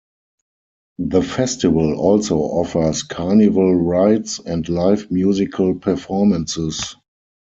The festival also offers carnival rides and live musical performances.